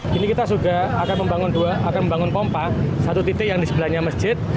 kini kita juga akan membangun dua akan membangun pompa satu titik yang disebelahnya masjid